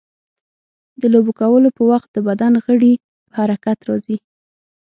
د لوبو کولو په وخت د بدن غړي په حرکت راځي.